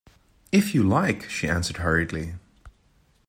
"If you like," she answered hurriedly.